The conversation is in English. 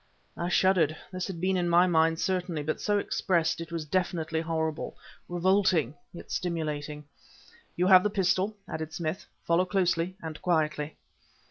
I shuddered. This had been in my mind, certainly, but so expressed it was definitely horrible revolting, yet stimulating. "You have the pistol," added Smith "follow closely, and quietly."